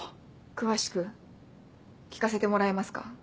詳しく聞かせてもらえますか？